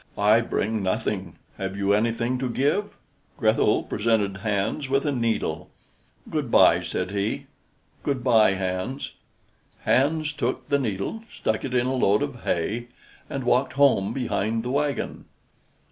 "I bring nothing. Have you anything to give?" Grethel presented Hans with a needle. "Good by," said he. "Good by, Hans." Hans took the needle, stuck it in a load of hay, and walked home behind the wagon.